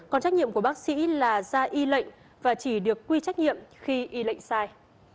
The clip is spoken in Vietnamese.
còn trách nhiệm của bác sĩ là ra y lệnh và chỉ được quy trách nhiệm khi y lệnh sai